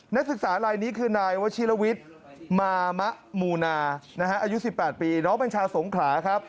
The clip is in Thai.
นักศึกษาอะไรนี้คือนายวชิลวิทมามะมูนาอายุ๑๘ปีน้องแบงชาสงขรา